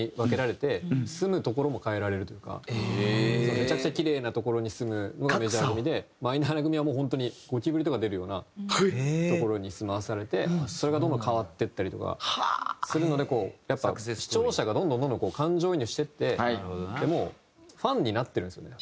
めちゃくちゃキレイな所に住むのがメジャー組でマイナー組はもう本当にゴキブリとか出るような所に住まわされてそれがどんどん変わってったりとかするので視聴者がどんどんどんどん感情移入していってもうファンになってるんですよね。